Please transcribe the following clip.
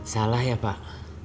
salah ya pak